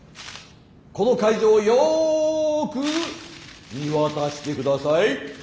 この会場をよく見渡してください。